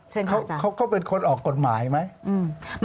เชิญขออาจารย์ครับเขาเป็นคนออกกฎหมายไหม